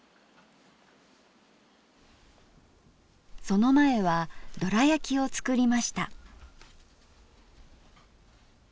その前はどらやきを作りました。